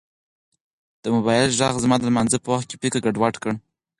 د موبایل غږ زما د لمانځه په وخت کې فکر ګډوډ کړ.